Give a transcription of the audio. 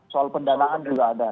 soal pendanaan juga ada